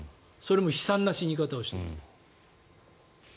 それも悲惨な死に方をして。